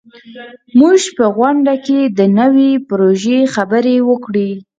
موږ په غونډه کې د نوي پروژې خبرې وکړې.